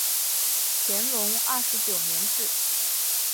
乾隆二十九年置。